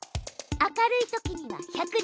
明るいときには「１００」ね。